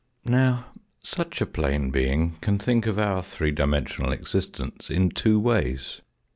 Now such a plane being can think of our three dimensional existence in two ways.